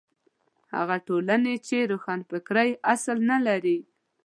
هغه ټولنې چې روښانفکرۍ اصل نه لري.